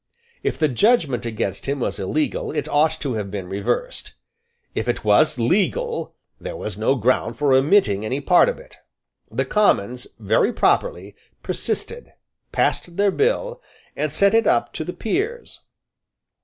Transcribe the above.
If the judgment against him was illegal, it ought to have been reversed. If it was legal, there was no ground for remitting any part of it. The Commons, very properly, persisted, passed their bill, and sent it up to the Peers.